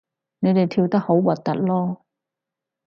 你哋跳得好核突囉